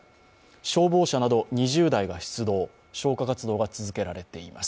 消防車など２０台が出動消火活動が続けられています。